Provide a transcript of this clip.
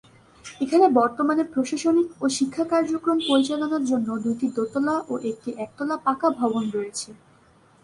এখানে বর্তমানে প্রশাসনিক ও শিক্ষা কার্যক্রম পরিচালনার জন্য দুইটি দোতলা ও একটি একতলা পাকা ভবন রয়েছে।